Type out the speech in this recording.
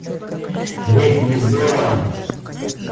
Ведь мне здорово.